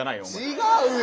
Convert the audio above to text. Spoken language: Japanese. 違うよ！